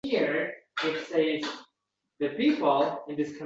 bu qulayliklarning naqadar puxta o’ylanganligiga adsensega a’zo bo’lib